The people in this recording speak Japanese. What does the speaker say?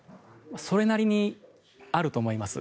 それなりにあると思います。